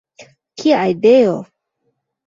Kia ideo!